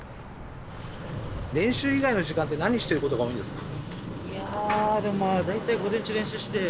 練習以外の時間って何してることが多いんですか？